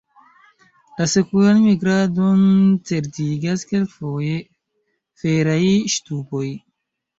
La sekuran migradon certigas kelkfoje feraj ŝtupoj.